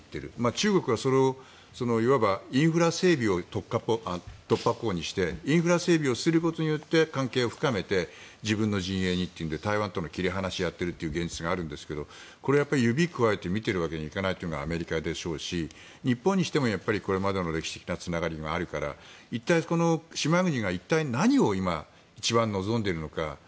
中国はインフラ整備を突破口にしてインフラ整備をすることによって関係を深めて自分の陣営にというので台湾との切り離しをやっているという現実があるんですがこれは指をくわえて見ているわけにはいかないというのがアメリカでしょうし日本にしてもこれまでの歴史的なつながりがあるから一体、島国が何を今一番望んでいるのか。